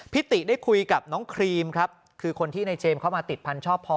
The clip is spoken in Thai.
ติได้คุยกับน้องครีมครับคือคนที่ในเจมส์เข้ามาติดพันธชอบพอ